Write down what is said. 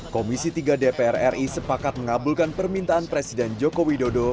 komisi tiga dpr ri sepakat mengabulkan permintaan presiden joko widodo